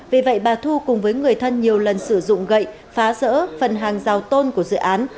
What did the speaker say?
vì vậy bà thu cùng với người thân nhiều lần sử dụng gậy phá rỡ phần hàng rào tôn của dự án